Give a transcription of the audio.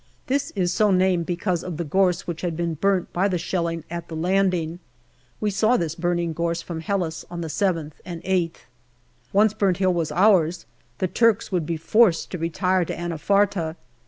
This is so named because of the gorse which had been burnt by the shelling at the landing. We saw this burning gorse from Helles on the 7th and 8th. Once Burnt Hill was ours, the Turks would be forced to retire to Anafarta.